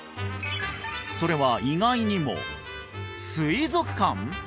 それは意外にも水族館？